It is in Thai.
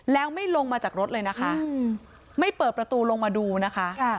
แล้วไม่ลงมาจากรถเลยนะคะไม่เปิดประตูลงมาดูนะคะ